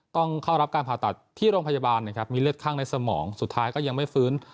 ต้องเข้ารับการผ่าตัดที่โรงพยาบาลนะครับมีเลือดข้างในสมองสุดท้ายก็ยังไม่ฟื้น